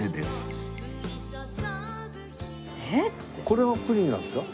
これはプリンなんですか？